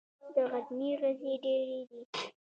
د غزني غزې ډیرې دي